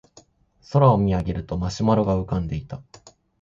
空を見上げるとマシュマロが浮かんでいた